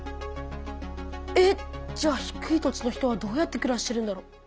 えっじゃあ低い土地の人はどうやってくらしてるんだろう？